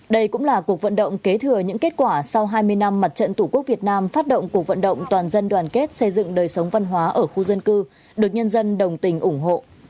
đây cũng là cuộc vận động kế thừa những kết quả sau hai mươi năm mặt trận tổ quốc việt nam phát động cuộc vận động toàn dân đoàn kết xây dựng đời sống văn hóa ở khu dân cư được nhân dân đồng tình ủng hộ